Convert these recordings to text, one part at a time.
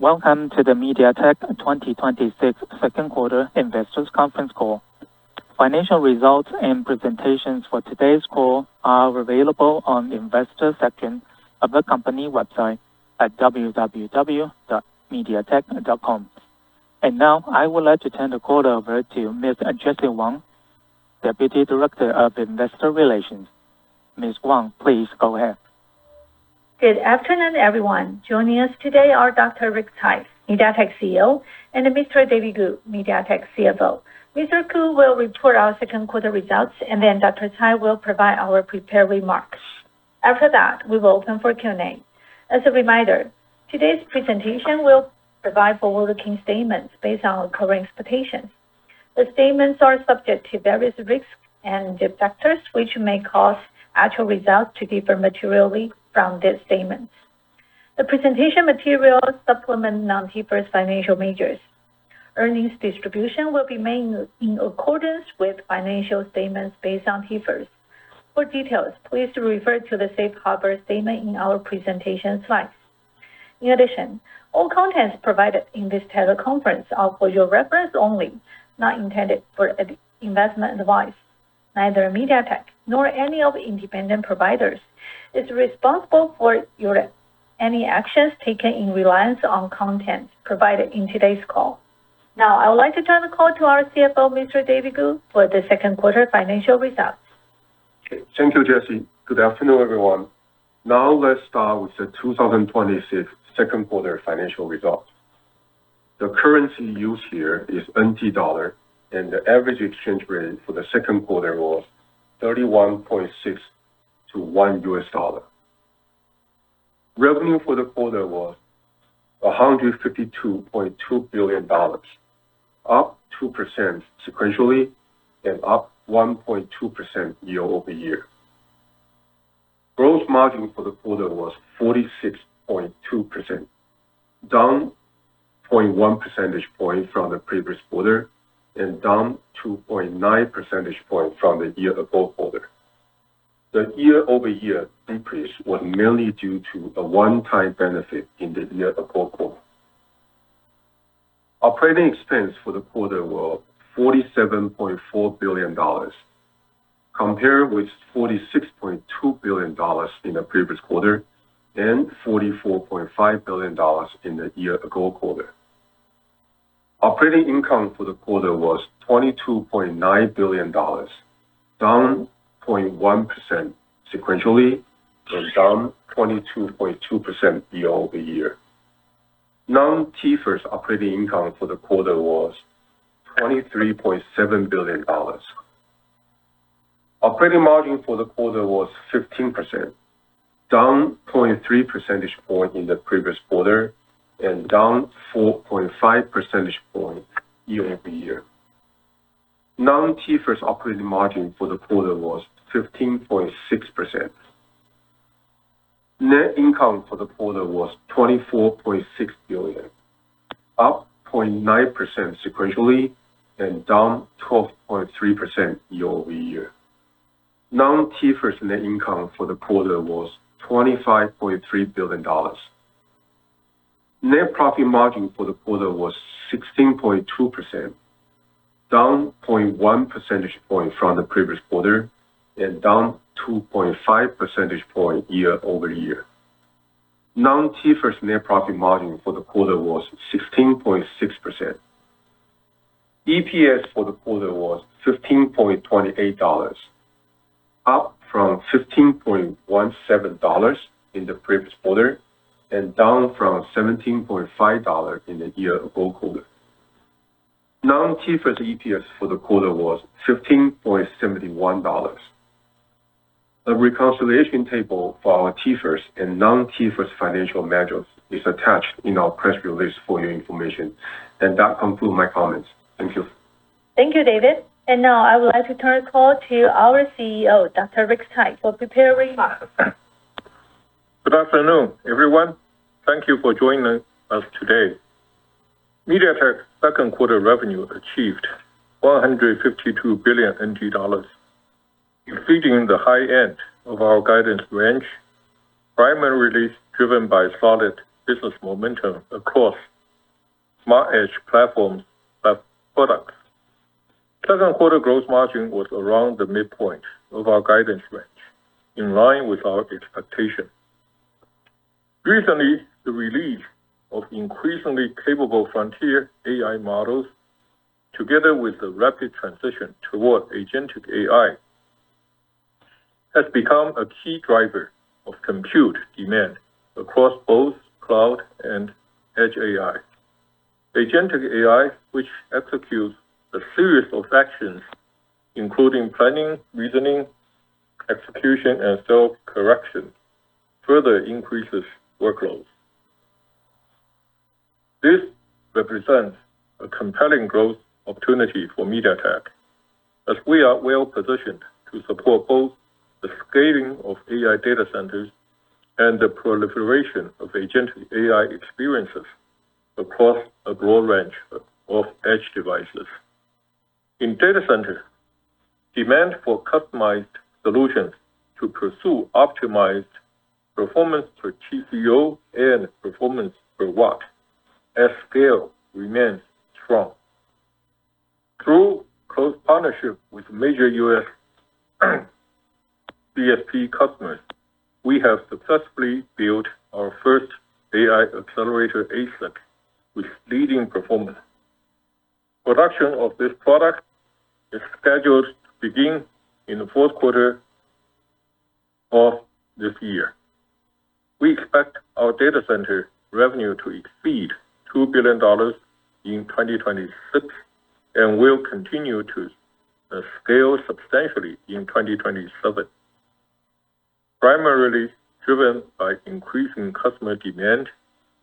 Welcome to the MediaTek 2026 second quarter investors conference call. Financial results and presentations for today's call are available on the investor section of the company website at www.mediatek.com. Now I would like to turn the call over to Ms. Jessie Wang, Deputy Director of Investor Relations. Ms. Wang, please go ahead. Good afternoon, everyone. Joining us today are Dr. Rick Tsai, MediaTek CEO, and Mr. David Ku, MediaTek CFO. Mr. Ku will report our second quarter results, then Dr. Tsai will provide our prepared remarks. After that, we will open or Q&A. As a reminder, today's presentation will provide forward-looking statements based on our current expectations. The statements are subject to various risks and factors, which may cause actual results to differ materially from these statements. The presentation materials supplement non-TIFRS financial measures. Earnings distribution will be made in accordance with financial statements based on TIFRS. For details, please refer to the safe harbor statement in our presentation slides. In addition, all content provided in this teleconference are for your reference only, not intended for investment advice. Neither MediaTek nor any of the independent providers is responsible for any actions taken in reliance on content provided in today's call. Now I would like to turn the call to our CFO, Mr. David Ku, for the second quarter financial results. Thank you, Jessie. Good afternoon, everyone. Now let's start with the 2026 second quarter financial results. The currency used here is NT dollar. The average exchange rate for the second quarter was 31.6 to $1. Revenue for the quarter was 152.2 billion dollars, up 2% sequentially, up 1.2% year-over-year. Gross margin for the quarter was 46.2%, down 0.1 percentage point from the previous quarter, down 2.9 percentage point from the year-ago quarter. The year-over-year decrease was mainly due to a one-time benefit in the year-ago quarter. Operating expense for the quarter was 47.4 billion dollars, compared with 46.2 billion dollars in the previous quarter, 44.5 billion dollars in the year-ago quarter. Operating income for the quarter was 22.9 billion dollars, down 0.1% sequentially, down 22.2% year-over-year. Non-TIFRS operating income for the quarter was 23.7 billion dollars. Operating margin for the quarter was 15%, down 0.3 percentage point in the previous quarter and down 4.5 percentage points year-over-year. non-TIFRS operating margin for the quarter was 15.6%. Net income for the quarter was 24.6 billion, up 0.9% sequentially and down 12.3% year-over-year. non-TIFRS net income for the quarter was 25.3 billion dollars. Net profit margin for the quarter was 16.2%, down 0.1 percentage point from the previous quarter and down 2.5 percentage points year-over-year. non-TIFRS net profit margin for the quarter was 16.6%. EPS for the quarter was 15.28 dollars, up from 15.17 dollars in the previous quarter and down from 17.5 dollars in the year-ago quarter. non-TIFRS EPS for the quarter was 15.71 dollars. The reconciliation table for our TIFRS and non-TIFRS financial measures is attached in our press release for your information. That concludes my comments. Thank you. Thank you, David. Now I would like to turn the call to our CEO, Dr. Rick Tsai, for prepared remarks. Good afternoon, everyone. Thank you for joining us today. MediaTek second quarter revenue achieved 152 billion NT dollars, exceeding the high end of our guidance range, primarily driven by solid business momentum across Smart Edge platforms and products. Second quarter gross margin was around the midpoint of our guidance range, in line with our expectation. Recently, the release of increasingly capable frontier AI models, together with the rapid transition toward agentic AI, has become a key driver of compute demand across both cloud and edge AI. agentic AI, which executes a series of actions, including planning, reasoning, execution, and self-correction, further increases workloads. This represents a compelling growth opportunity for MediaTek, as we are well-positioned to support both the scaling of AI data centers and the proliferation of agentic AI experiences across a broad range of edge devices. In data center, demand for customized solutions to pursue optimized performance per TCO and performance per watt at scale remains strong. Through close partnership with major U.S. CSP customers, we have successfully built our first AI accelerator ASIC with leading performance. Production of this product is scheduled to begin in the fourth quarter of this year. We expect our data center revenue to exceed $2 billion in 2026, and will continue to scale substantially in 2027, primarily driven by increasing customer demand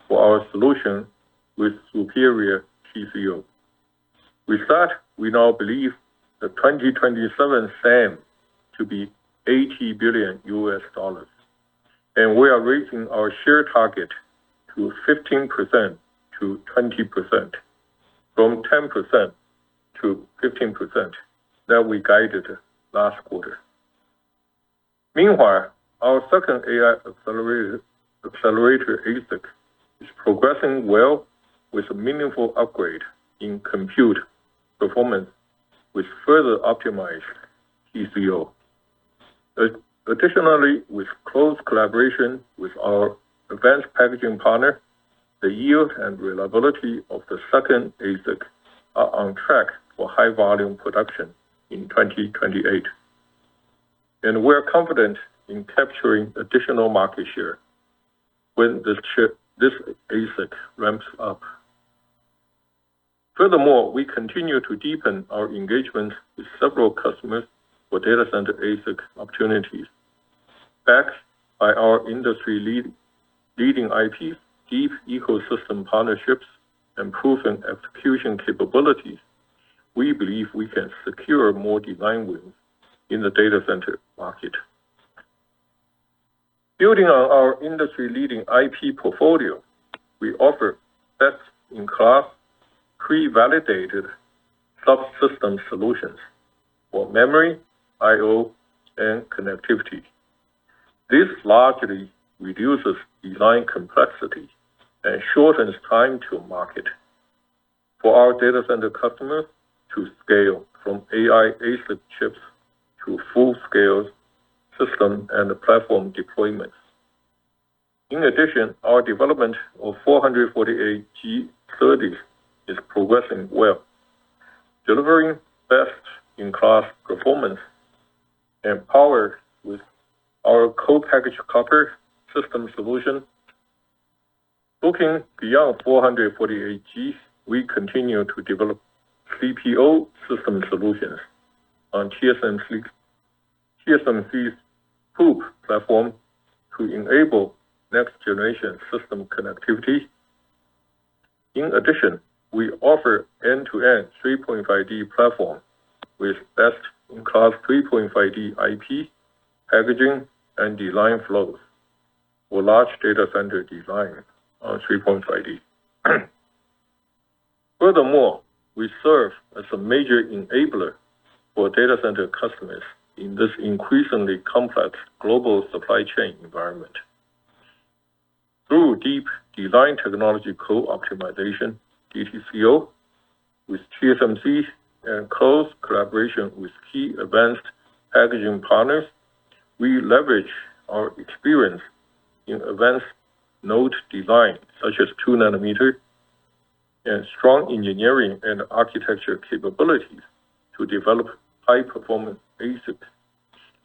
for our solution with superior TCO. With that, we now believe the 2027 SAM to be $80 billion, and we are raising our share target to 15%-20%, from 10%-15% that we guided last quarter. Meanwhile, our second AI accelerator ASIC is progressing well with a meaningful upgrade in compute performance, which further optimized TCO. Additionally, with close collaboration with our advanced packaging partner, the yield and reliability of the second ASIC are on track for high volume production in 2028. We're confident in capturing additional market share when this ASIC ramps up. Furthermore, we continue to deepen our engagement with several customers for data center ASIC opportunities. Backed by our industry-leading IPs, deep ecosystem partnerships, and proven execution capabilities, we believe we can secure more design wins in the data center market. Building on our industry-leading IP portfolio, we offer best-in-class pre-validated subsystem solutions for memory, IO, and connectivity. This largely reduces design complexity and shortens time to market for our data center customers to scale from AI ASIC chips to full-scale system and platform deployments. In addition, our development of 448G SerDes is progressing well, delivering best-in-class performance and power with our co-packaged copper system solution. Looking beyond 448G, we continue to develop CPO system solutions on TSMC's COUPE platform to enable next-generation system connectivity. In addition, we offer end-to-end 3.5D platform with best-in-class 3.5D IP, packaging, and design flows for large data center design on 3.5D. Furthermore, we serve as a major enabler for data center customers in this increasingly complex global supply chain environment. Through deep-design technology co-optimization, DTCO, with TSMC and close collaboration with key advanced packaging partners, we leverage our experience in advanced node design, such as two nanometer, and strong engineering and architecture capabilities to develop high-performance ASIC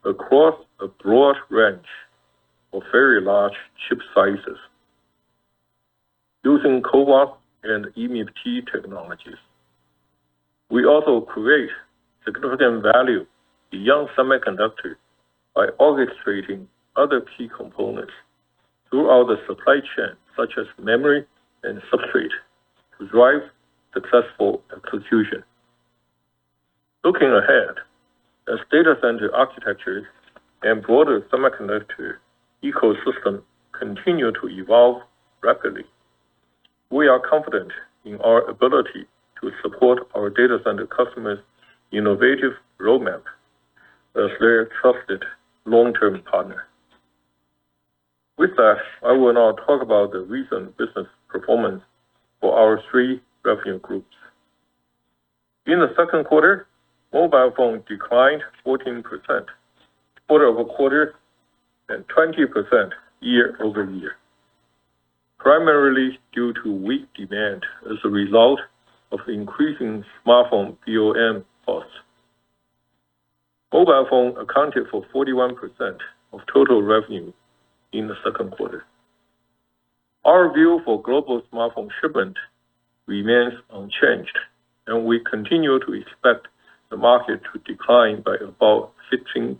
across a broad range of very large chip sizes. Using CoWoS and EMIB-T technologies, we also create significant value beyond semiconductor by orchestrating other key components throughout the supply chain, such as memory and substrate, to drive successful execution. Looking ahead, as data center architectures and broader semiconductor ecosystem continue to evolve rapidly, we are confident in our ability to support our data center customers' innovative roadmap as their trusted long-term partner. With that, I will now talk about the recent business performance for our three revenue groups. In the second quarter, mobile phone declined 14% quarter-over-quarter and 20% year-over-year, primarily due to weak demand as a result of increasing smartphone BOM costs. Mobile phone accounted for 41% of total revenue in the second quarter. Our view for global smartphone shipment remains unchanged, and we continue to expect the market to decline by about 15%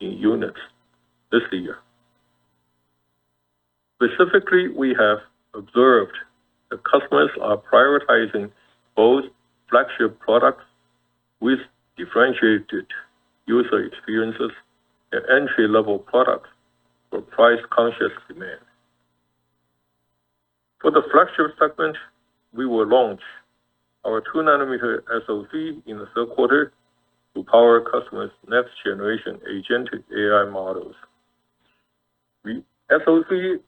in units this year. Specifically, we have observed that customers are prioritizing both flagship products with differentiated user experiences and entry-level products for price-conscious demand. The flagship segment, we will launch our two nanometer SoC in the third quarter to power customers' next generation agentic AI models. The SoC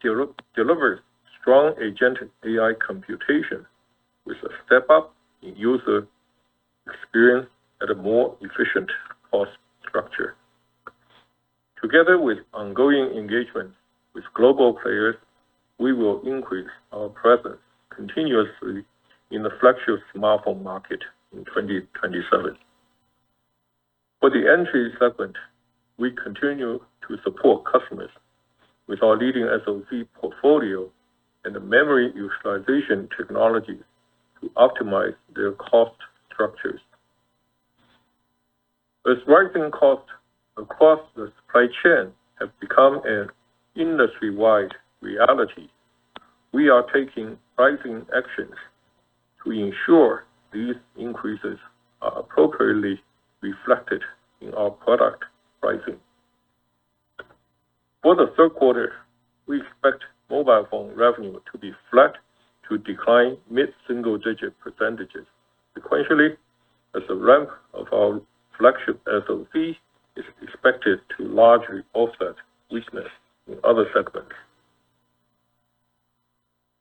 delivers strong agentic AI computation with a step up in user experience at a more efficient cost structure. Together with ongoing engagement with global players, we will increase our presence continuously in the flagship smartphone market in 2027. For the entry segment, we continue to support customers with our leading SoC portfolio and the memory utilization technologies to optimize their cost structures. As rising cost across the supply chain have become an industry-wide reality, we are taking pricing actions to ensure these increases are appropriately reflected in our product pricing. For the third quarter, we expect mobile phone revenue to be flat to decline mid-single digit % sequentially as the ramp of our flagship SoC is expected to largely offset weakness in other segments.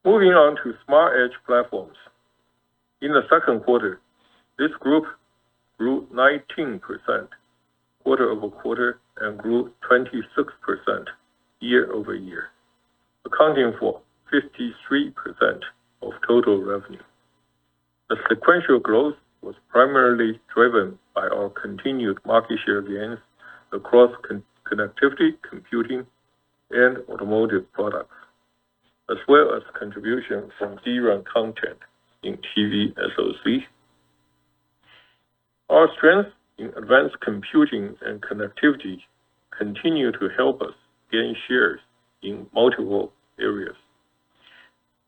Moving on to Smart Edge platforms. In the second quarter, this group grew 19% quarter-over-quarter and grew 26% year-over-year, accounting for 53% of total revenue. The sequential growth was primarily driven by our continued market share gains across connectivity, computing, and automotive products, as well as contribution from DRAM content in TV SoC. Our strength in advanced computing and connectivity continue to help us gain shares in multiple areas.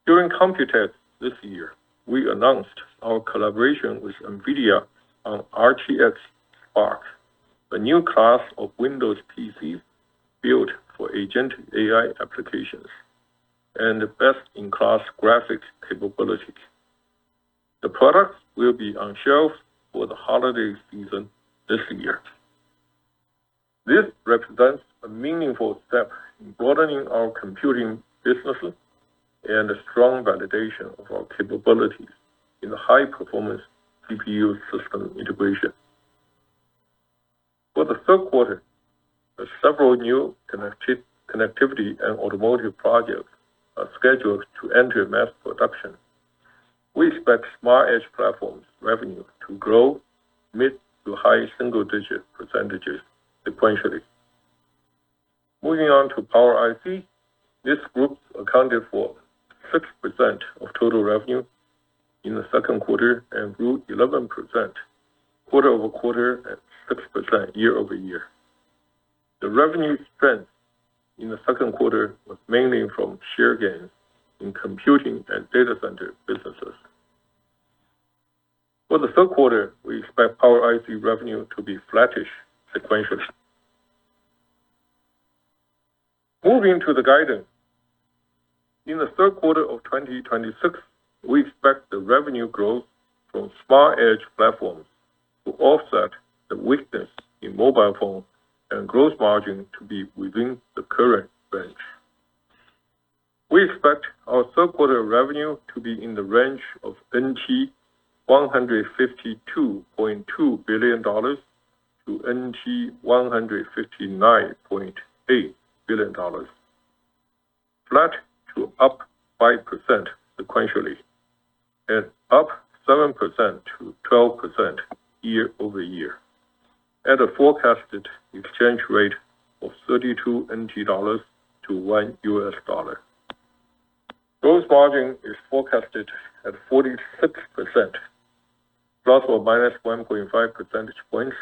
During Computex this year, we announced our collaboration with NVIDIA on RTX Spark, a new class of Windows PCs built for agentic AI applications and best-in-class graphics capabilities. The product will be on shelf for the holiday season this year. This represents a meaningful step in broadening our computing businesses and a strong validation of our capabilities in high-performance CPU system integration. For the third quarter, several new connectivity and automotive projects are scheduled to enter mass production. We expect Smart Edge platforms revenue to grow mid to high single digit % sequentially. Moving on to Power IC. This group accounted for 6% of total revenue in the second quarter and grew 11% quarter-over-quarter at 6% year-over-year. The revenue strength in the second quarter was mainly from share gains in computing and data center businesses. For the third quarter, we expect Power IC revenue to be flattish sequentially. Moving to the guidance. In the third quarter of 2026, we expect the revenue growth from Smart Edge platforms to offset the weakness in mobile phone and gross margin to be within the current range. We expect our third quarter revenue to be in the range of TWD 152.2 billion to TWD 159.8 billion, flat to up 5% sequentially, and up 7%-12% year-over-year at a forecasted exchange rate of 32 NT dollars to $1. Gross margin is forecasted at 46%, ±1.5 percentage points,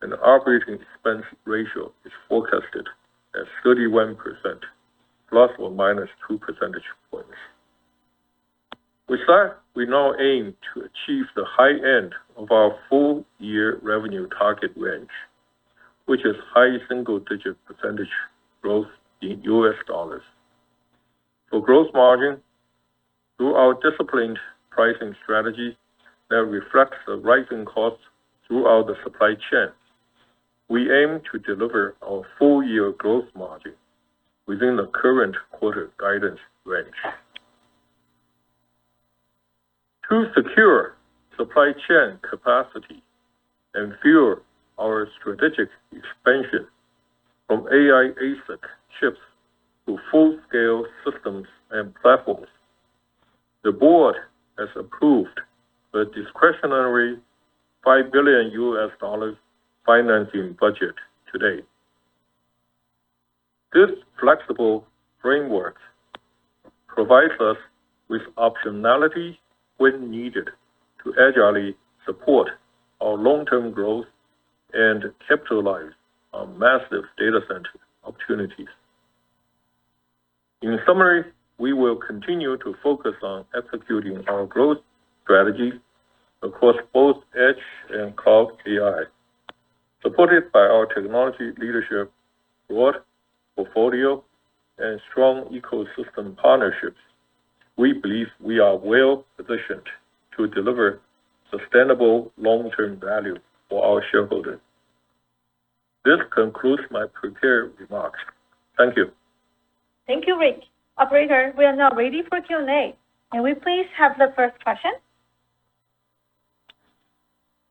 and operating expense ratio is forecasted at 31%, ±2 percentage points. With that, we now aim to achieve the high end of our full year revenue target range, which is high single digit % growth in U.S. dollars. For gross margin, through our disciplined pricing strategy that reflects the rising costs throughout the supply chain, we aim to deliver our full year gross margin within the current quarter guidance range. To secure supply chain capacity and fuel our strategic expansion from AI ASIC chips to full scale systems and platforms, the board has approved a discretionary $5 billion. financing budget today. This flexible framework provides us with optionality when needed to agilely support our long-term growth and capitalize on massive data center opportunities. In summary, we will continue to focus on executing our growth strategy across both Edge and Cloud AI. Supported by our technology leadership, broad portfolio, and strong ecosystem partnerships, we believe we are well-positioned to deliver sustainable long-term value for our shareholders. This concludes my prepared remarks. Thank you. Thank you, Rick. Operator, we are now ready for Q&A. Can we please have the first question?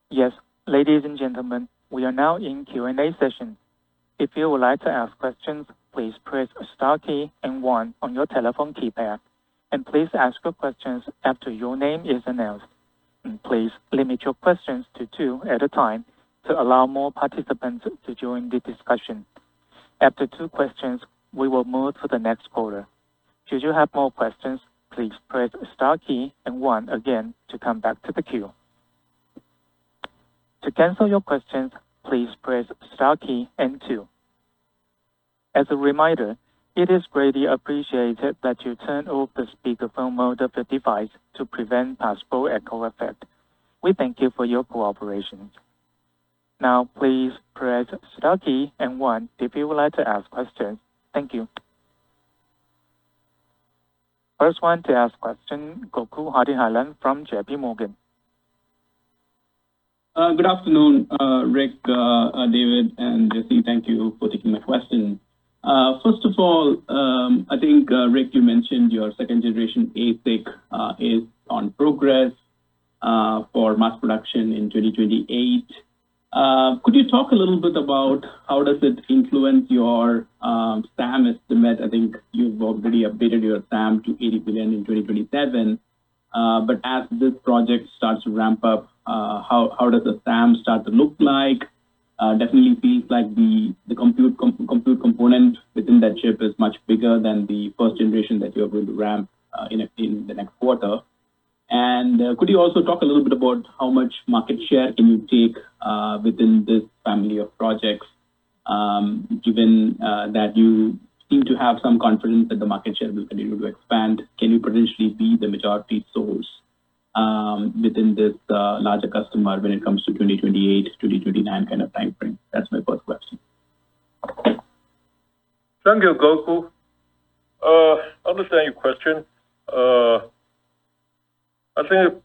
Yes. Ladies and gentlemen, we are now in Q&A session. If you would like to ask questions, please press star key and one on your telephone keypad, and please ask your questions after your name is announced. Please limit your questions to two at a time to allow more participants to join the discussion. After two questions, we will move to the next caller. Should you have more questions, please press star key and one again to come back to the queue. To cancel your question, please press star key and two. As a reminder, it is greatly appreciated that you turn off the speakerphone mode of the device to prevent possible echo effect. We thank you for your cooperation. Now please press star key and one if you would like to ask questions. Thank you. First one to ask question, Gokul Hariharan from JPMorgan. Good afternoon, Rick, David, and Jessie. Thank you for taking my question. First of all, I think, Rick, you mentioned your second generation ASIC is on progress for mass production in 2028. Could you talk a little bit about how does it influence your SAM estimate? I think you've already updated your SAM to $80 billion in 2027. As this project starts to ramp up, how does the SAM start to look like? Definitely feels like the compute component within that chip is much bigger than the first generation that you're going to ramp in the next quarter. Could you also talk a little bit about how much market share can you take within this family of projects, given that you seem to have some confidence that the market share will continue to expand? Can you potentially be the majority source within this larger customer when it comes to 2028, 2029 kind of timeframe? That's my first question. Thank you, Gokul. Understand your question. I think,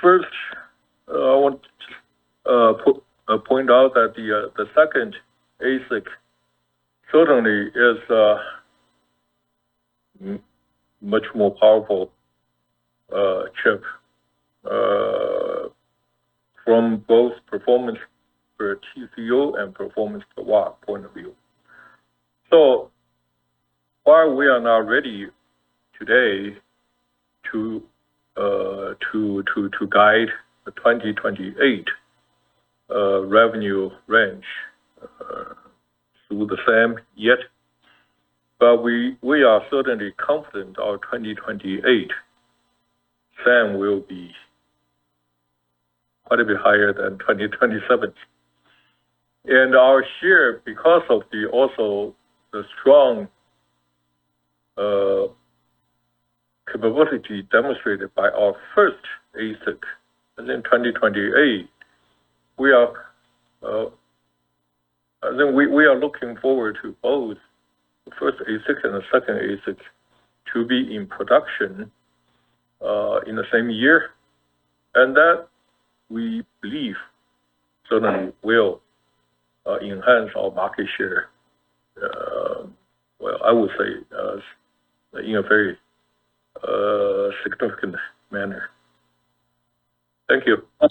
first, I want to point out that the second ASIC certainly is a much more powerful chip, from both performance per TCO and performance per watt point of view. While we are now ready today to guide the 2028 revenue range through the SAM yet, but we are certainly confident our 2028 SAM will be quite a bit higher than 2027. Our share, because of also the strong capability demonstrated by our first ASIC, and in 2028, we are looking forward to both the first ASIC and the second ASIC to be in production in the same year. That, we believe, certainly will enhance our market share. Well, I would say in a very significant manner. Thank you. Do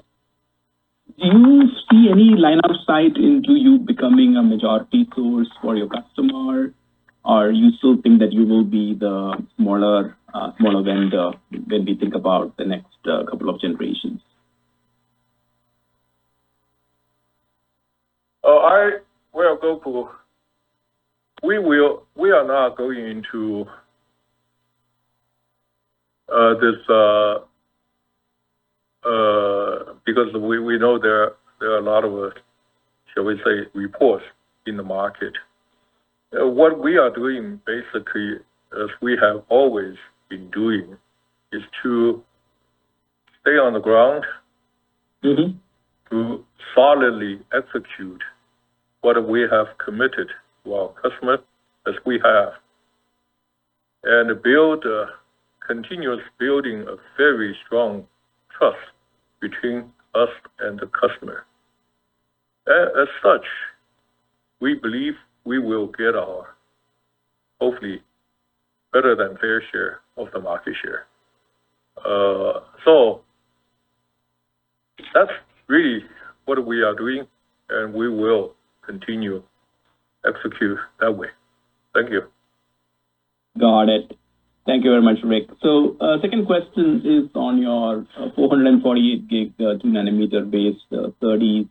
you see any line of sight into you becoming a majority source for your customer? Or you still think that you will be the smaller vendor when we think about the next couple of generations? Well, Gokul, we are now going into this. We know there are a lot of, shall we say, reports in the market. What we are doing, basically, as we have always been doing, is to stay on the ground. To solidly execute what we have committed to our customer, as we have. Continuous building of very strong trust between us and the customer. As such, we believe we will get our, hopefully, better than fair share of the market share. That's really what we are doing, and we will continue execute that way. Thank you. Got it. Thank you very much, Rick. Second question is on your 448G, 2-nanometer based 30.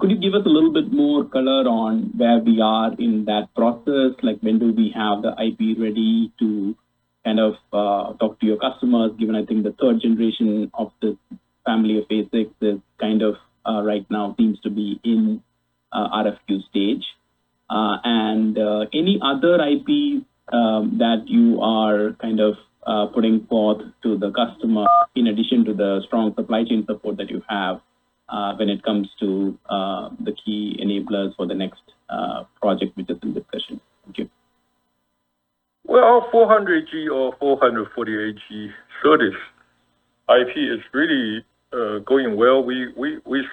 Could you give us a little bit more color on where we are in that process? When do we have the IP ready to talk to your customers? Given, I think, the third generation of the family of ASICs is right now seems to be in RFQ stage. Any other IP that you are putting forth to the customer in addition to the strong supply chain support that you have when it comes to the key enablers for the next project we discussed in the session. Thank you. 400G or 448G SerDes IP is really going well. We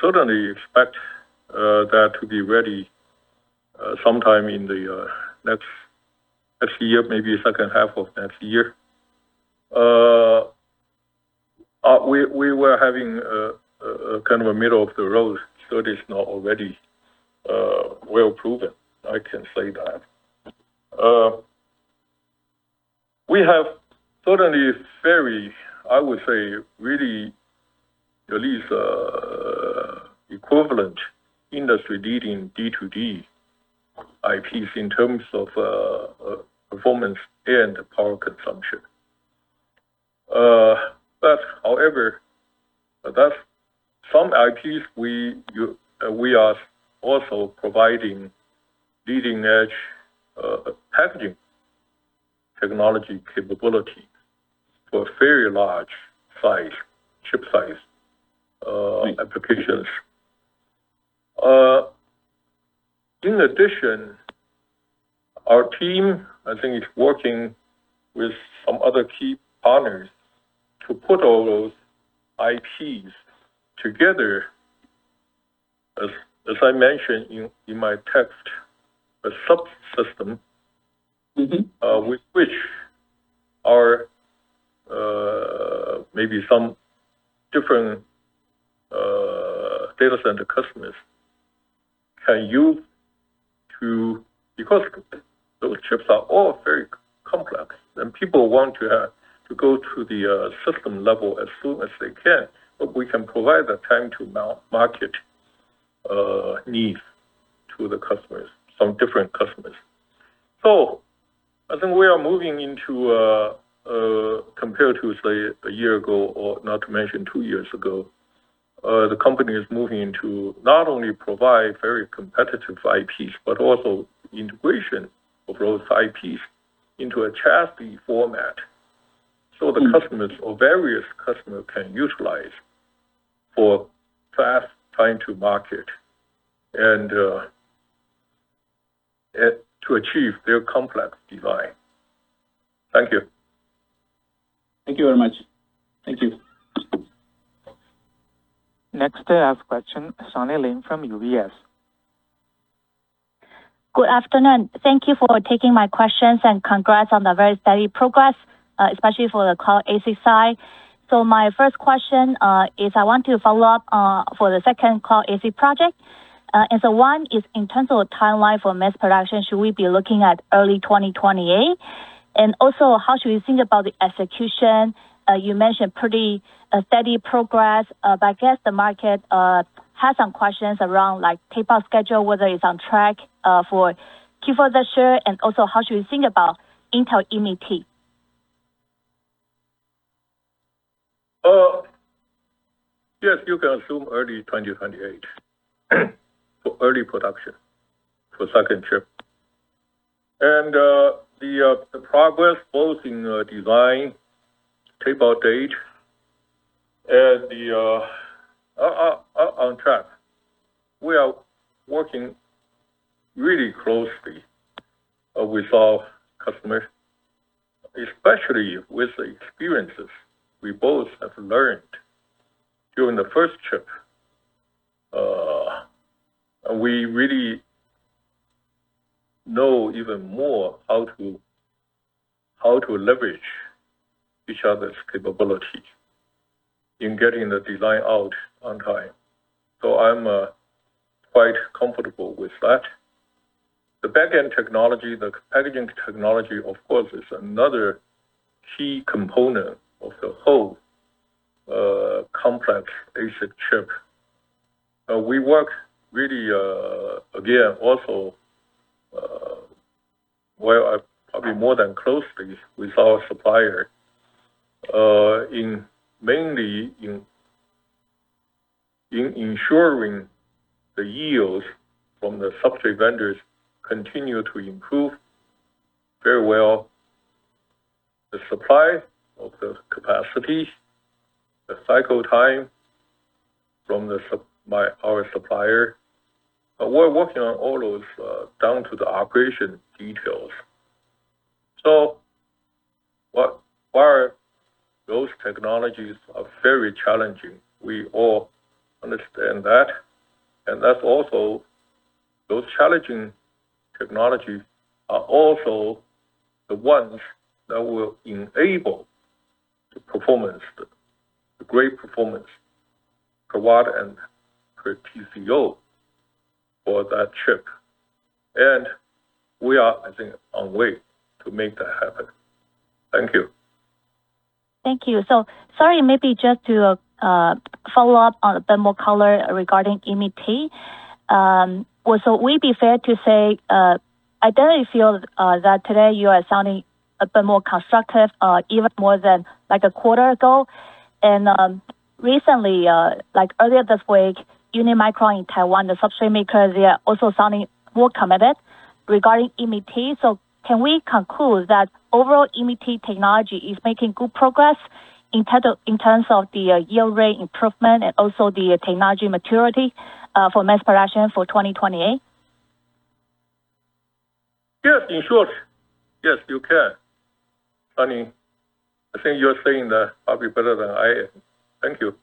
certainly expect that to be ready sometime in the next year, maybe second half of next year. We were having a middle-of-the-road SerDes now already well proven. I can say that. We have certainly very, I would say really at least equivalent industry-leading D2D IPs in terms of performance and power consumption. However, some IPs we are also providing leading-edge packaging technology capability for very large chip size applications. In addition, our team, I think, is working with some other key partners to put all those IPs together. As I mentioned in my text, a subsystem with which are maybe some different data center customers can use, because those chips are all very complex, and people want to go to the system level as soon as they can. We can provide that time to market need to the customers, some different customers. I think we are moving into, compared to, say, a year ago, or not to mention two years ago, the company is moving to not only provide very competitive IPs but also integration of those IPs into a chassis format, so the customers or various customers can utilize for fast time to market and to achieve their complex design. Thank you. Thank you very much. Thank you. Next, I have a question, Sunny Lin from UBS. Good afternoon. Thank you for taking my questions and congrats on the very steady progress, especially for the Cloud ASIC side. My first question is I want to follow up for the second Cloud ASIC project. One is in terms of the timeline for mass production, should we be looking at early 2028? Also, how should we think about the execution? You mentioned pretty steady progress, but I guess the market has some questions around tape-out schedule, whether it's on track for Q4 this year, and also how should we think about Intel EMIB. Yes, you can assume early 2028 for early production for the second chip. The progress, both in design, tape-out date, and are on track. We are working really closely with our customers, especially with the experiences we both have learned during the first chip. We really know even more how to leverage each other's capabilities in getting the design out on time. I'm quite comfortable with that. The back-end technology, the packaging technology, of course, is another key component of the whole complex ASIC chip. We work really, again, also, well, probably more than closely with our supplier, mainly in ensuring the yields from the substrate vendors continue to improve very well the supply of the capacity, the cycle time from our supplier. We're working on all those down to the operation details. Those technologies are very challenging. We all understand that. Those challenging technologies are also the ones that will enable the great performance per watt and per TCO for that chip. We are, I think, on way to make that happen. Thank you. Thank you. Sorry, maybe just to follow up on a bit more color regarding EMIB. Would it be fair to say I definitely feel that today you are sounding a bit more constructive, even more than like a quarter ago. Recently, earlier this week, Unimicron in Taiwan, the substrate maker, they are also sounding more committed regarding EMIB. Can we conclude that overall EMIB technology is making good progress in terms of the yield rate improvement and also the technology maturity, for mass production for 2028? Yes. In short, yes, you can. Sunny, I think you're saying that probably better than I am. Thank you.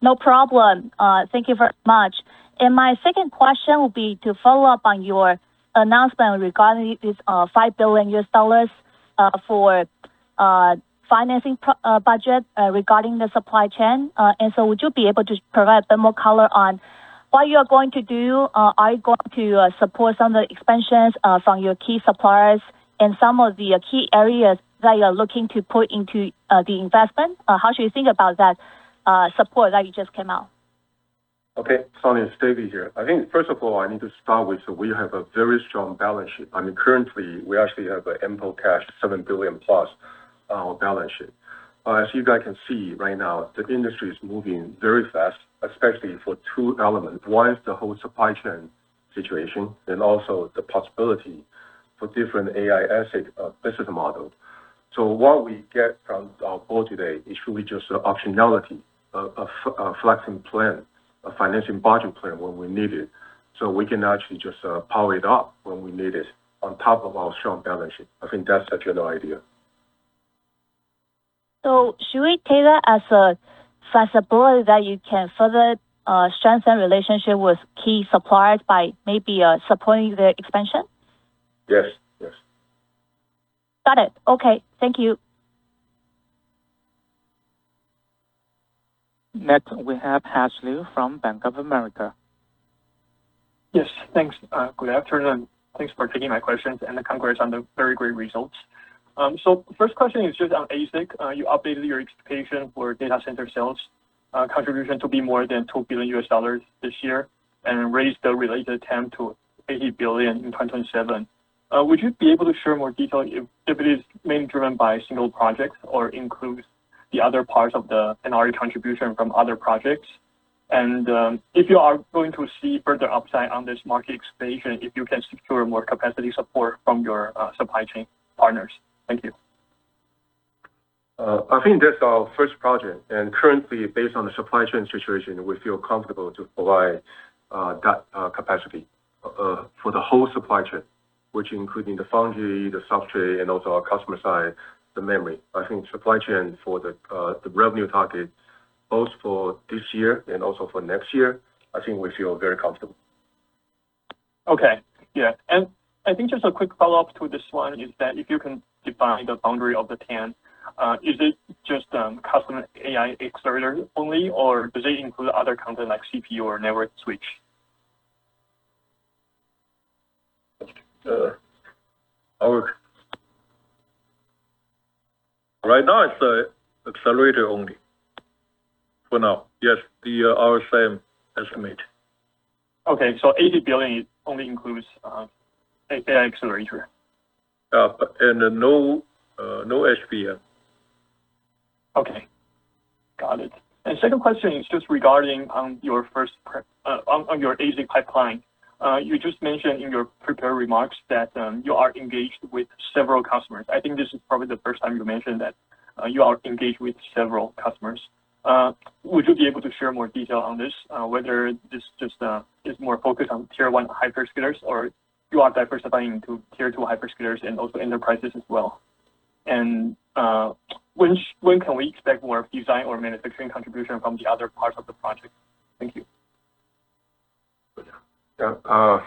No problem. Thank you very much. My second question will be to follow up on your announcement regarding this $5 billion for financing budget regarding the supply chain. Would you be able to provide a bit more color on what you are going to do? Are you going to support some of the expansions from your key suppliers and some of the key areas that you're looking to put into the investment? How should we think about that support that you just came out? Okay. Sunny, it's David here. First of all, I need to start with, we have a very strong balance sheet. Currently, we actually have ample cash, $7+ billion, balance sheet. As you guys can see right now, the industry is moving very fast, especially for two elements. One is the whole supply chain situation and also the possibility for different AI ASIC business model. What we get from our board today is really just optionality, a flexing plan, a financing budget plan when we need it. We can actually just power it up when we need it on top of our strong balance sheet. That's the general idea. Should we take that as a flexible that you can further strengthen relationship with key suppliers by maybe supporting their expansion? Yes. Got it. Okay. Thank you. Next we have Haas Liu from Bank of America. Yes, thanks. Good afternoon. Thanks for taking my questions and the congrats on the very great results. First question is just on ASIC. You updated your expectation for data center sales contribution to be more than $2 billion this year and raised the related SAM to $80 billion in 2027. Would you be able to share more detail if it is being driven by single projects or includes the other parts of the NRE contribution from other projects? If you are going to see further upside on this market expansion, if you can secure more capacity support from your supply chain partners. Thank you. I think that's our first project, and currently, based on the supply chain situation, we feel comfortable to provide that capacity for the whole supply chain, which including the foundry, the substrate, and also our customer side, the memory. I think supply chain for the revenue target, both for this year and also for next year, I think we feel very comfortable. Okay. Yeah. I think just a quick follow-up to this one is that if you can define the boundary of the TAM, is it just customer AI accelerator only or does it include other content like CPU or network switch? Right now it's the accelerator only. For now. Yes. Our same estimate. Okay. $80 billion only includes AI accelerator. no HBM. Okay. Got it. Second question is just regarding on your ASIC pipeline. You just mentioned in your prepared remarks that you are engaged with several customers. I think this is probably the first time you mentioned that you are engaged with several customers. Would you be able to share more detail on this? Whether this just is more focused on Tier 1 hyperscalers, or you are diversifying to Tier 2 hyperscalers and also enterprises as well. When can we expect more design or manufacturing contribution from the other parts of the project? Thank you. There are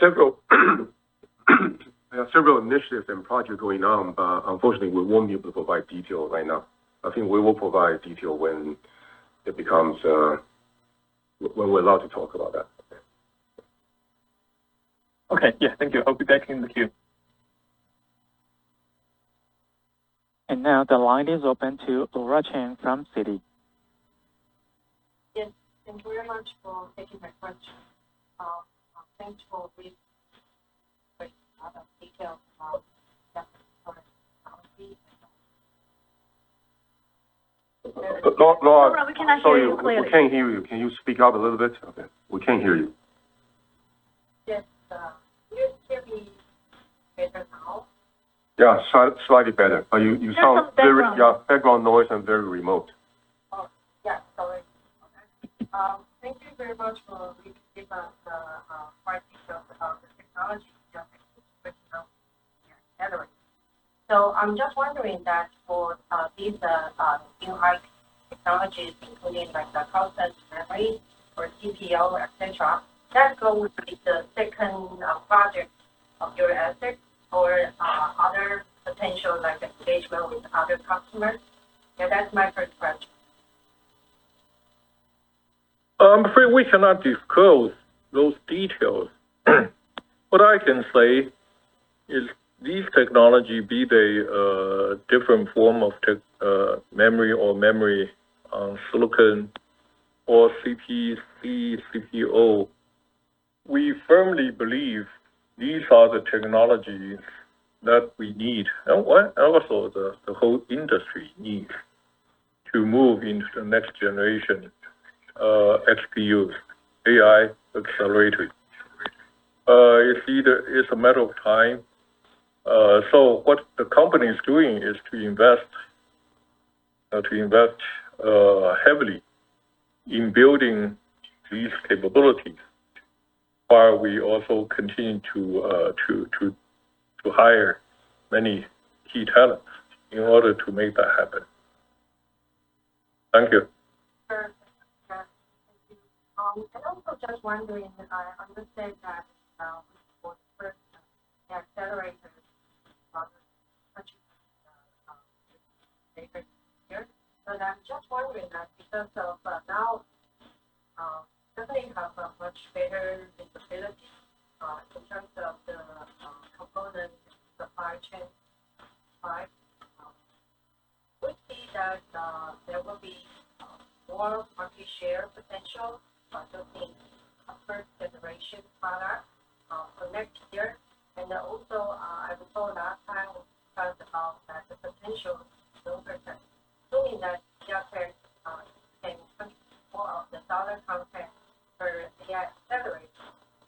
several initiatives and projects going on, but unfortunately, we won't be able to provide details right now. I think we will provide detail when we're allowed to talk about that. Okay. Yeah. Thank you. I'll be back in the queue. Now the line is open to Laura Chen from Citi. Yes, thank you very much for taking my question. Thanks for this great amount of detail about the technology. Laura, we cannot hear you clearly. We can't hear you. Can you speak up a little bit? Okay. We can't hear you. Yes. Can you hear me better now? Slightly better. Little bit background background noise and very remote. Sorry. Okay. Thank you very much for giving us the fine details about the technology. Thank you for your clarity. I'm just wondering that for these new high technologies, including like the process memory or CPO, et cetera, that's going to be the second project of your asset or other potential, like engagement with other customers? That's my first question. I'm afraid we cannot disclose those details. What I can say is these technology, be they a different form of memory or memory on silicon or CPO. We firmly believe these are the technologies that we need, and also the whole industry needs, to move into the next generation, XPUs, AI accelerator. It's a matter of time. What the company is doing is to invest heavily in building these capabilities, while we also continue to hire many key talent in order to make that happen. Thank you. Sure. Thank you. Also just wondering, I understand that for the first time, you had accelerators I'm just wondering that because of now, certainly you have a much better visibility in terms of the component, the supply chain part. Would we see that there will be more market share potential, assuming a first generation product for next year? Also, I recall last time you talked about the potential assuming that MediaTek can more of the dollar content for AI generator.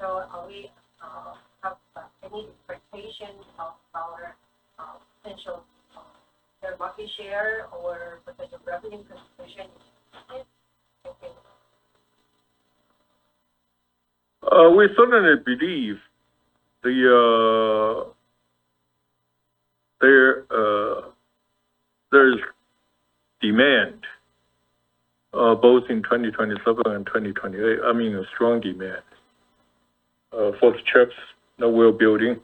Are we, do we have any expectation of our potential market share or potential revenue contribution? Thank you. We certainly believe there's demand both in 2027 and 2028. I mean, a strong demand for the chips that we're building.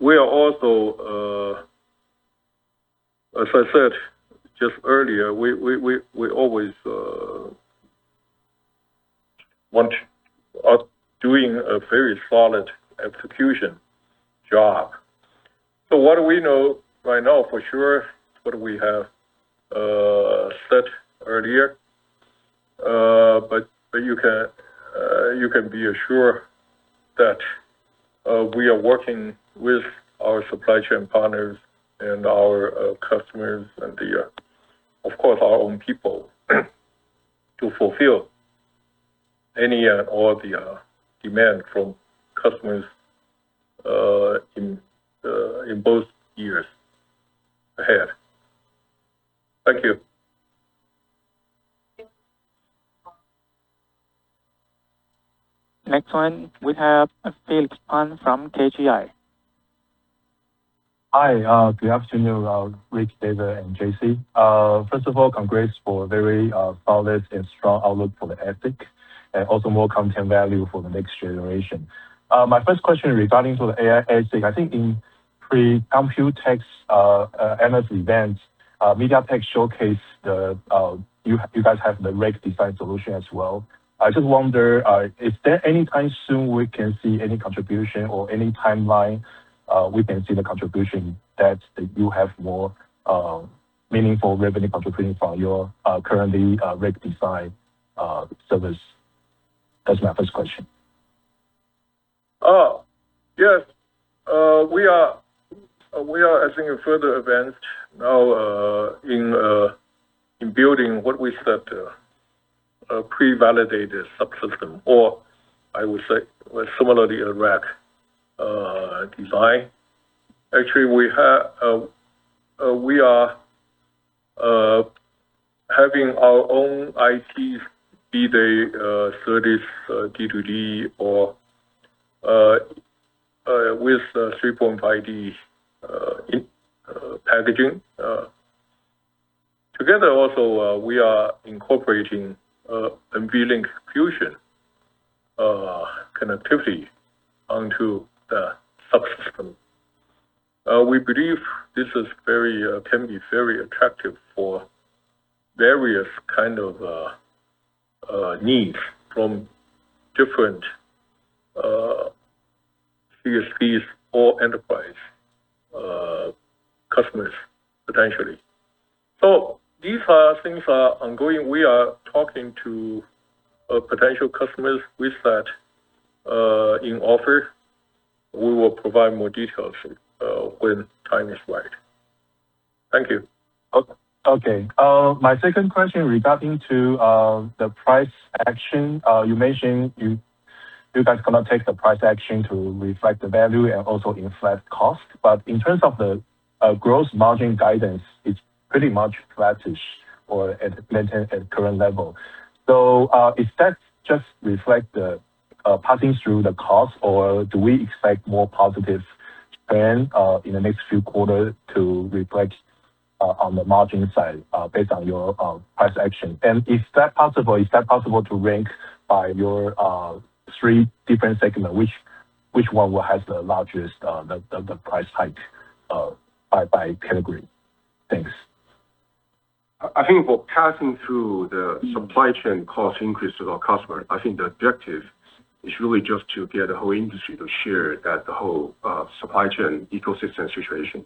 We are also, as I said just earlier, we always are doing a very solid execution job. What do we know by now for sure? What we have said earlier. You can be assured that we are working with our supply chain partners and our customers and of course, our own people to fulfill any and all the demand from customers in both years ahead. Thank you. Thank you. Felix Pan from KGI. Hi. Good afternoon, Rick, David, and Jessie. First of all, congrats for a very solid and strong outlook for the ASIC and also more content value for the next generation. My first question regarding to the AI ASIC. I think in pre-Computex analyst events, MediaTek showcased you guys have the rack design solution as well. I just wonder, is there any time soon we can see any contribution or any timeline, we can see the contribution that you have more meaningful revenue contributing from your currently rack design service? That's my first question. Yes. We are, I think, in further events now in building what we said, a pre-validated subsystem, or I would say similarly, a rack design. Actually, we are having our own IO, be they SerDes D2D or with 3.5D packaging. Together also, we are incorporating NVLink Fusion connectivity onto the subsystem. We believe this can be very attractive for various kind of needs from different CSPs or enterprise customers, potentially. These things are ongoing. We are talking to potential customers with that in offer. We will provide more details when time is right. Thank you. Okay. My second question regarding to the price action. You mentioned you guys are going to take the price action to reflect the value and also inflate cost. In terms of the gross margin guidance, it's pretty much flattish or maintain at current level. Does that just reflect the passing through the cost, or do we expect more positive trend in the next few quarters to reflect on the margin side based on your price action? If that possible, is that possible to rank by your three different segment? Which one will have the largest price hike by category? Thanks. I think for passing through the supply chain cost increase to our customer, I think the objective is really just to get the whole industry to share that the whole supply chain ecosystem situation.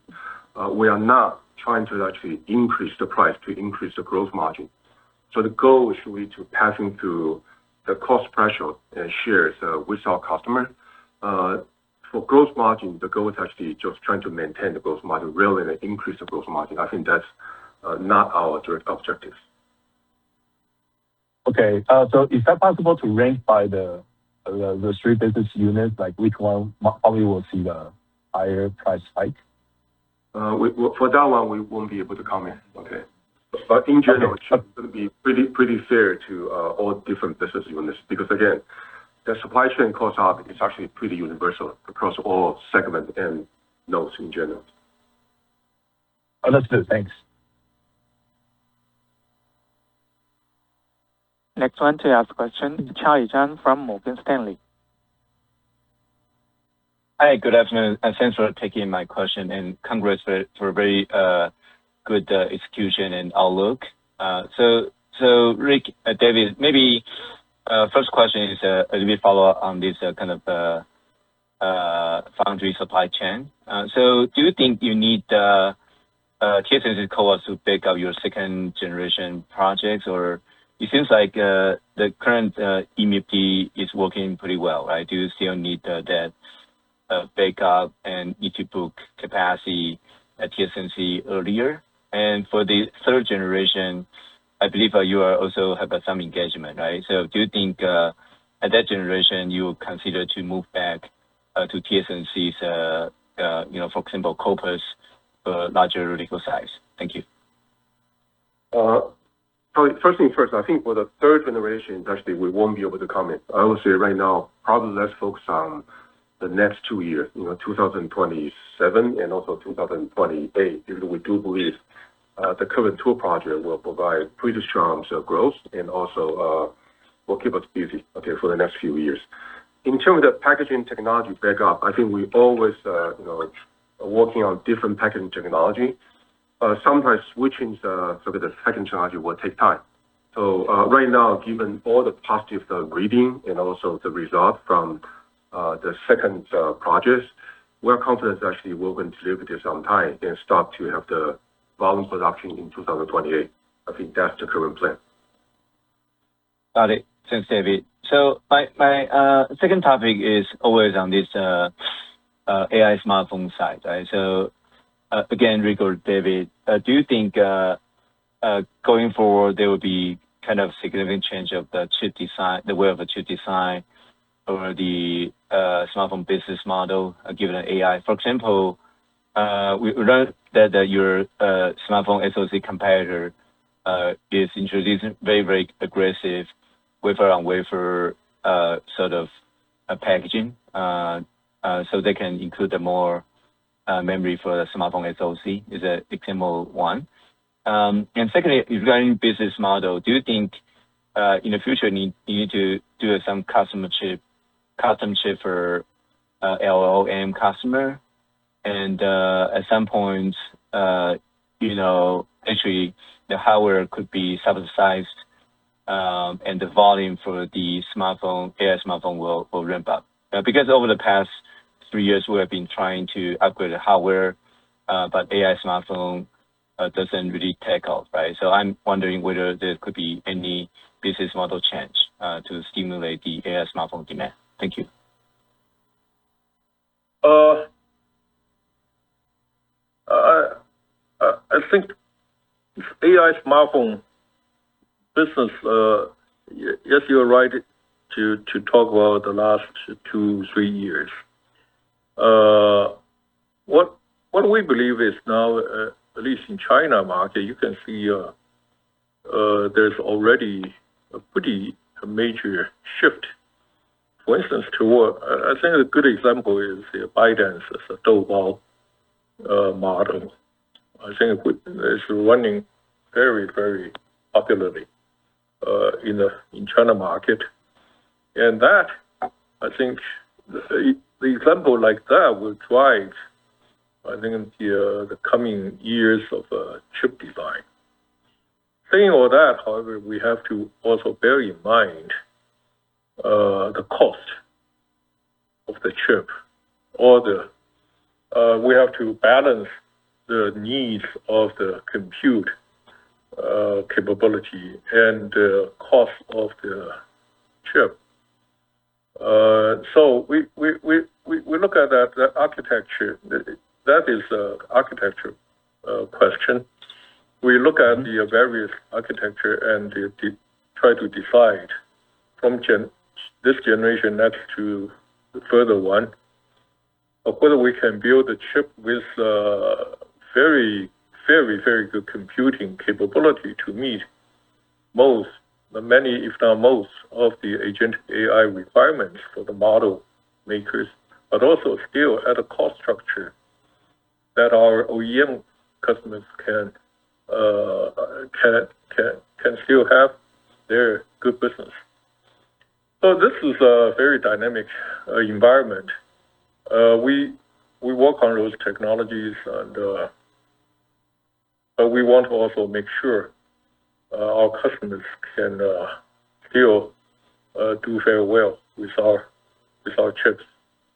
We are not trying to actually increase the price to increase the growth margin. The goal should be to passing through the cost pressure and share it with our customer. For gross margin, the goal is actually just trying to maintain the gross margin rather than increase the gross margin. I think that's not our direct objective. Okay. Is that possible to rank by the three business units? Like which one probably will see the higher price hike? For that one, we won't be able to comment. Okay. In general, it's going to be pretty fair to all different business units because again, the supply chain cost up is actually pretty universal across all segments and nodes in general. Understood. Thanks. Next one to ask question, Charlie Chan from Morgan Stanley. Hi, good afternoon and thanks for taking my question. Congrats for a very good execution and outlook. Rick, David, maybe first question is a bit follow up on this kind of foundry supply chain. Do you think you need TSMC's CoWoS to bake out your second generation projects or it seems like the current EMIB-T is working pretty well, right? Do you still need that bake up and you to book capacity at TSMC earlier? For the third generation, I believe you also have some engagement, right? Do you think at that generation you consider to move back to TSMC's, for example, CoWoS larger particle size? Thank you. First things first, I think for the third generation, actually, we won't be able to comment. I will say right now, probably let's focus on the next two years, 2027 and also 2028. We do believe the current two project will provide pretty strong growth and also will keep us busy, okay, for the next few years. In terms of the packaging technology backup, I think we always working on different packaging technology. Sometimes switching the second technology will take time. Right now, given all the positive reading and also the result from the second projects, we're confident actually we're going to deliver this on time and start to have the volume production in 2028. I think that's the current plan. Got it. Thanks, David. My second topic is always on this AI smartphone side, right? Again, Rick or David, do you think going forward there will be kind of significant change of the chip design, the way of a chip design or the smartphone business model given AI? For example, we read that your smartphone SoC competitor is introducing very, very aggressive wafer on wafer, sort of a packaging. They can include a more memory for the smartphone SoC. Is that example one? Secondly, regarding business model, do you think, in the future, you need to do some custom chip for LLM customer? At some point, actually the hardware could be subsidized, and the volume for the smartphone, AI smartphone will ramp up. Because over the past three years, we have been trying to upgrade the hardware, but AI smartphone doesn't really take off, right? I'm wondering whether there could be any business model change, to stimulate the AI smartphone demand. Thank you. I think AI smartphone business, yes, you are right to talk about the last two, three years. What we believe is now, at least in China market, you can see there's already a pretty major shift. For instance, I think a good example is the ByteDance's Douyin model. I think it's running very, very popularly in China market. That, I think the example like that will drive, I think, the coming years of chip design. Saying all that, however, we have to also bear in mind the cost of the chip. We have to balance the needs of the compute capability and the cost of the chip. We look at the architecture. That is architecture question. We look at the various architecture and try to decide from this generation next to the further one, of whether we can build a chip with very, very, very good computing capability to meet most, many if not most, of the agentic AI requirements for the model makers, but also still at a cost structure that our OEM customers can still have their good business. This is a very dynamic environment. We work on those technologies, and we want to also make sure our customers can still do very well with our chips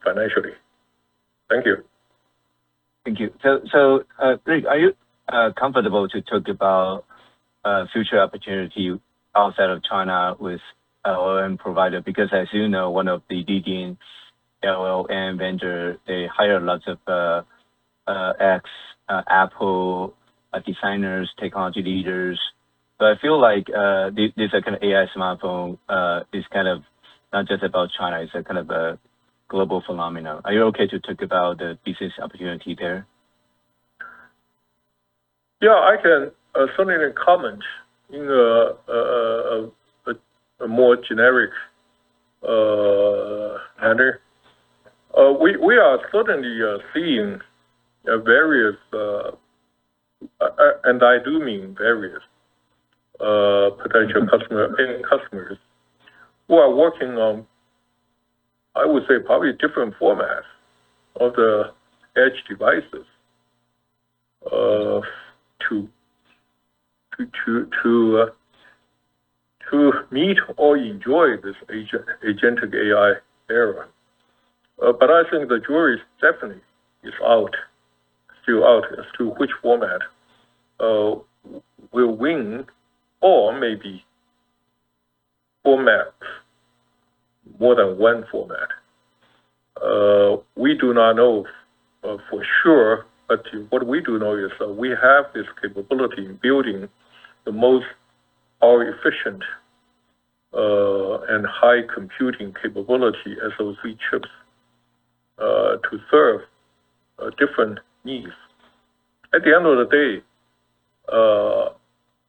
financially. Thank you. Thank you. Rick, are you comfortable to talk about future opportunity outside of China with OEM provider? Because as you know, one of the leading OEM vendor, they hire lots of ex-Apple designers, technology leaders. I feel like this AI smartphone is kind of not just about China, it's a kind of a global phenomenon. Are you okay to talk about the business opportunity there? I can certainly comment in a more generic manner. We are certainly seeing various, and I do mean various, potential customers who are working on, I would say, probably different formats of the edge devices to meet or enjoy this agentic AI era. I think the jury definitely is out as to which format will win or maybe formats, more than one format. We do not know for sure. What we do know is that we have this capability in building the most efficient and high computing capability SoC chips to serve different needs. At the end of the day,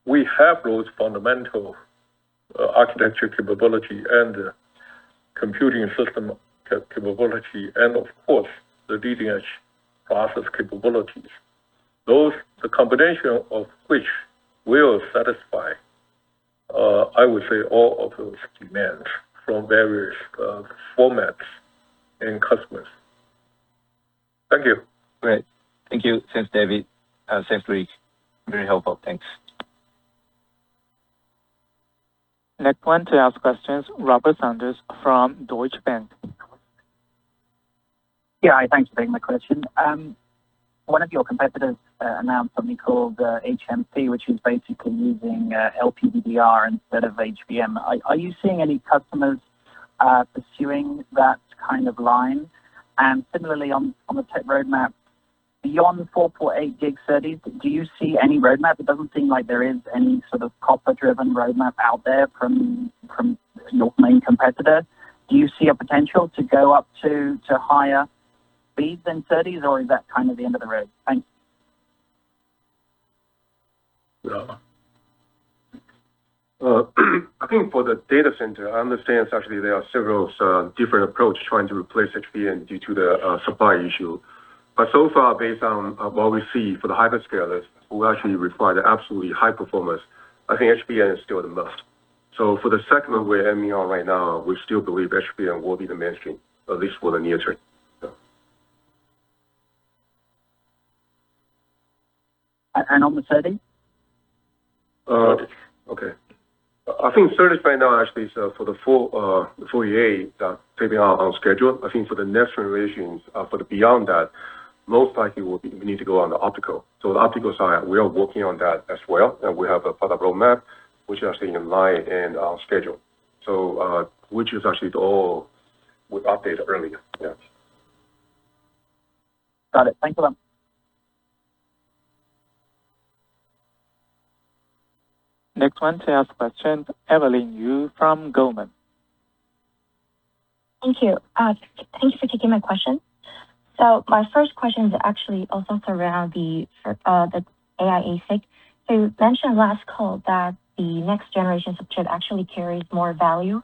we have those fundamental architecture capability and computing system capability and of course, the D2D process capabilities. The combination of which will satisfy, I would say all of those demands from various formats and customers. Thank you. Great. Thank you. Thanks, David. Thanks, Rick. Very helpful. Thanks. Next one to ask questions, Robert Sanders from Deutsche Bank. Yeah. Thanks for taking my question. One of your competitors announced something called HMM, which is basically using LPDDR instead of HBM. Are you seeing any customers pursuing that kind of line? Similarly, on the tech roadmap, beyond 448G SerDes, do you see any roadmap? It doesn't seem like there is any sort of copper-driven roadmap out there from your main competitor. Do you see a potential to go up to higher speeds than SerDes, or is that kind of the end of the road? Thanks. I think for the data center, I understand it's actually there are several different approach trying to replace HBM due to the supply issue. So far, based on what we see for the hyperscalers who actually require the absolutely high performance, I think HBM is still the best. For the segment we are aiming on right now, we still believe HBM will be the mainstream, at least for the near term. Yeah. On the SerDes? I think SerDes right now, actually, for the full year, that maybe on schedule. I think for the next generations, for beyond that, most likely, we need to go on the optical. The optical side, we are working on that as well. We have a further roadmap, which are staying in line and on schedule. Which is actually all we updated earlier. Yeah. Got it. Thank you. Next one to ask question, Evelyn Yu from Goldman. Thank you. Thank you for taking my question. My first question is actually also surround the AI ASIC. You mentioned last call that the next generation chip actually carries more value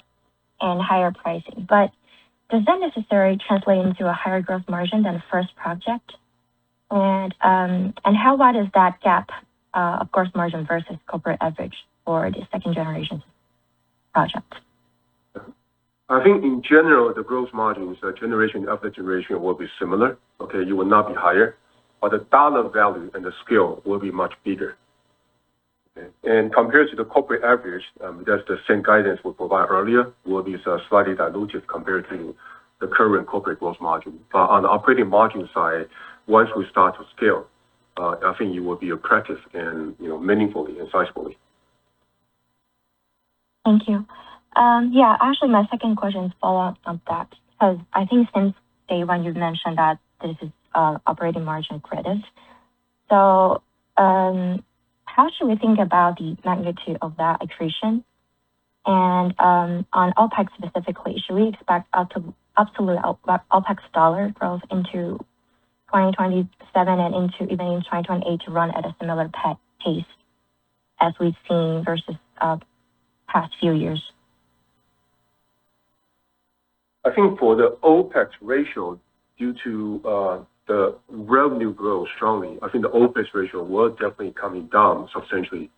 and higher pricing, but does that necessarily translate into a higher gross margin than the first project? How wide is that gap of gross margin versus corporate average for the second generation project? I think in general, the gross margins generation after generation will be similar. Okay? It will not be higher, but the dollar value and the scale will be much bigger. Okay? Compared to the corporate average, that's the same guidance we provided earlier, will be slightly diluted compared to the current corporate gross margin. On the operating margin side, once we start to scale, I think it will be accretive and meaningfully and sizeably. Thank you. Yeah, actually, my second question is follow-up on that because I think since day 1, you've mentioned that this is operating margin accretive. How should we think about the magnitude of that accretion? On OpEx specifically, should we expect absolute OpEx dollar growth into 2027 and into even in 2028 to run at a similar pace as we've seen versus past few years? I think for the OpEx ratio, due to the revenue growth strongly, I think the OpEx ratio will definitely coming down substantially.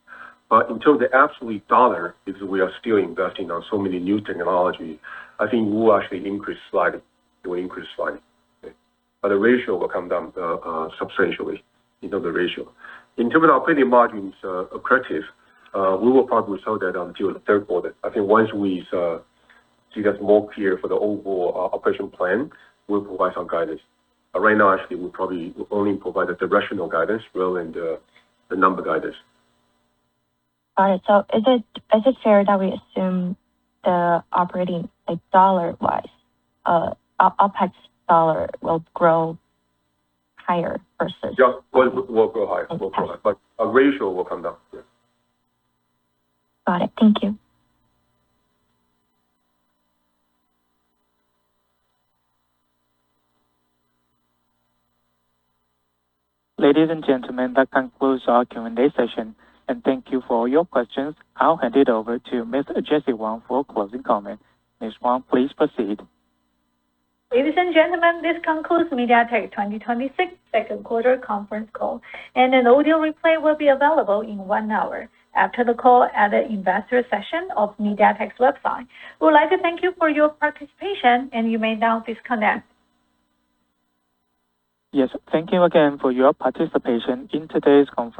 Until the absolute dollar, because we are still investing on so many new technology, I think we will actually increase slightly. The ratio will come down substantially. In terms of operating margins accretive, we will probably show that until the third quarter. I think once we see that more clear for the overall operation plan, we'll provide some guidance. Right now, actually, we'll probably only provide a directional guidance rather than the number guidance. All right. Is it fair that we assume the operating, like dollar-wise, OpEx dollar will grow higher or so? Yeah. Will grow higher. Our ratio will come down. Yeah. Got it. Thank you. Ladies and gentlemen, that concludes our Q&A session. Thank you for all your questions. I'll hand it over to Ms. Jessie Wang for closing comment. Ms. Wang, please proceed. Ladies and gentlemen, this concludes MediaTek 2026 second quarter conference call. An audio replay will be available in one hour after the call at the investor session of MediaTek's website. We would like to thank you for your participation. You may now disconnect. Yes. Thank you again for your participation in today's conference.